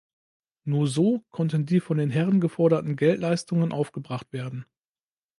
Nur so konnten die von den Herren geforderten Geldleistungen aufgebracht werden.